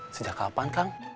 sejak kapan kang